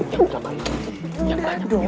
jangan banyak dong